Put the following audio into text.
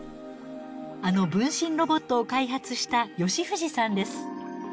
あの分身ロボットを開発した吉藤さんです。